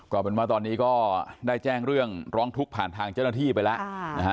ก็เป็นว่าตอนนี้ก็ได้แจ้งเรื่องร้องทุกข์ผ่านทางเจ้าหน้าที่ไปแล้วนะฮะ